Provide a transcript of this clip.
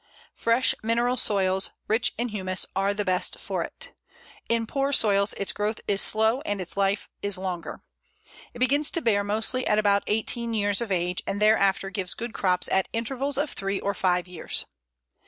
Fresh mineral soils, rich in humus, are the best for it. In poor soils its growth is slow and its life is longer. It begins to bear mostly at about eighteen years of age, and thereafter gives good crops at intervals of three or five years.